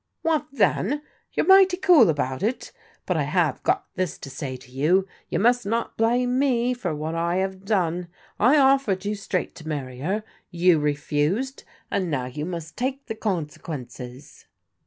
" What then ! You're mighty cool about it ; but I have got this to say to you, you must not blame me for what I have done. I offered you straight to marry her. You refused, and now you must take the consequences."